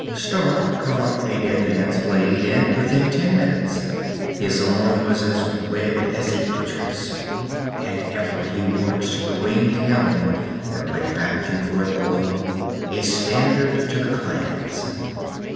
Stark caught up a dead man's blade, and within ten minutes his arm was as red as a butcher's. And ever he watched the winged helm that went back and forth below, a standard to the clans.